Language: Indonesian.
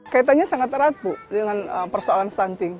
kaitannya sangat erat bu dengan persoalan stunting